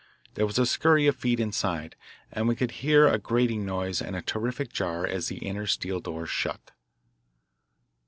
There was a scurry of feet inside, and we could hear a grating noise and a terrific jar as the inner, steel door shut.